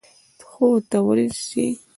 نو ته ولې ځې؟